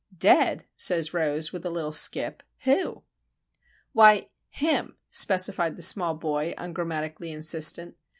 "Dead?" says Rose, with a little skip. "Who?" "Why, him," specified the small boy, ungrammatically insistent.